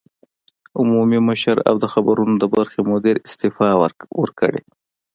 عمومي مشر او د خبرونو د برخې مدیرې استعفی ورکړې